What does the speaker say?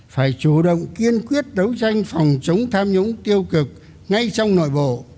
phải chủ động kiên quyết đấu tranh phòng chống tham nhũng tiêu cực ngay trong nội bộ